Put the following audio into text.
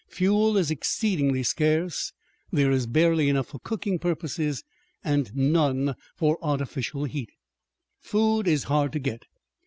Fuel is exceedingly scarce, there is barely enough for cooking purposes, and none for artificial heat. Food is hard to get.